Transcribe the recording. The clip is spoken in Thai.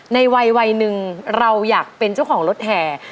ในวัยหนึ่งเราอยากเป็นเจ้าของรถแห่